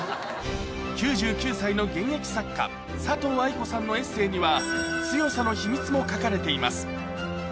９９歳の現役作家、佐藤愛子さんのエッセーには強さの秘密も書かれています。